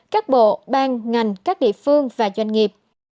các bộ ban ngành các địa phương và doanh nghiệp